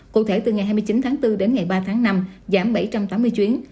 cụ thể từ ngày hai mươi chín tháng bốn đến ngày ba tháng năm giảm bảy trăm tám mươi chuyến